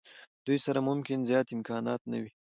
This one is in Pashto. دوی سره ممکن زیات امکانات نه وي.